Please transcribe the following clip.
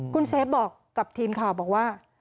คุณเซฟบอกกับทีมข่าวบอกว่า